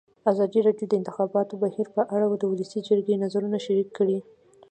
ازادي راډیو د د انتخاباتو بهیر په اړه د ولسي جرګې نظرونه شریک کړي.